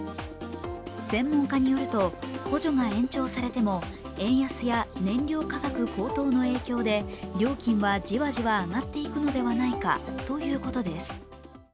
専門家によると、補助が延長されても円安や燃料価格高騰の影響で料金はじわじわ上がっていくのではないかということです。